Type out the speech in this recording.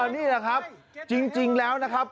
นี่แหละครับจริงแล้วนะครับ